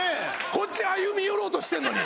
こっち歩み寄ろうとしてるのに！